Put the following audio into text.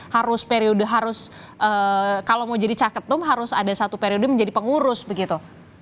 harus periode harus kalau mau jadi caketum harus ada satu periode menjadi pengurus begitu